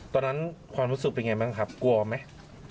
ตอนนั้นความรู้สึกเป็นไงบ้างครับกลัวไหม